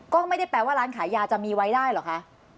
ก็ไม่ได้แปลว่าร้านขายยาจะมีไว้ได้เหรอคะ